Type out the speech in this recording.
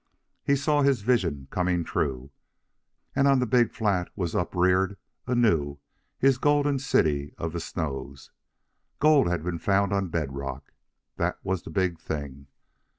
He saw his vision coming true, and on the big flat was upreared anew his golden city of the snows. Gold had been found on bed rock. That was the big thing.